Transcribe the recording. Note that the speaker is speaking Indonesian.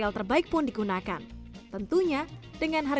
tapi kualitasnya yang pas